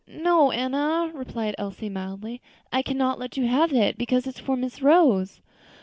"No, Enna," replied Elsie, mildly, "I cannot let you have it, because it is for Miss Rose."